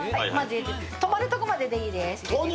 止まるところまででいいです